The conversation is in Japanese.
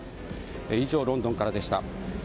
以上、ロンドンからでした。